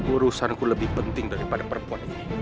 urusanku lebih penting daripada perempuan ini